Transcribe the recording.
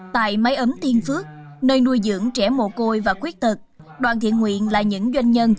tại máy ấm thiên phước nơi nuôi dưỡng trẻ mồ côi và khuyết tật đoàn thiện nguyện là những doanh nhân